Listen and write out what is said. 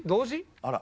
あら！